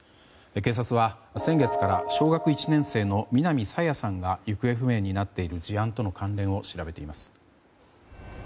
警察は、先月から小学１年生の南朝芽さんが行方不明になっている事案との関連を調べています。